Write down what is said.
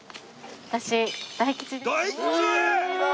私大吉です。